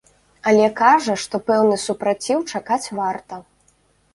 Але кажа, што пэўны супраціў чакаць варта.